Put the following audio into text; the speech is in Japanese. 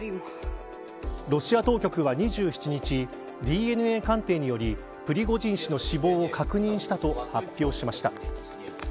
ロシア当局は２７日ＤＮＡ鑑定によりプリゴジン氏の死亡を確認したと発表しました。